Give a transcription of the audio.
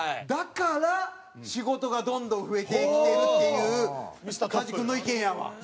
だから仕事がどんどん増えてきてるっていう加地君の意見やわ。